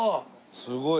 すごい。